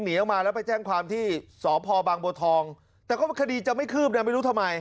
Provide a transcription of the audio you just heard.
อ๋อเดี๋ยวแหละเขาจะเข้ามาทำแบบนี้